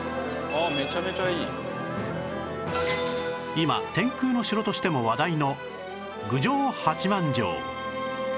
今「天空の城」としても話題の郡上八幡城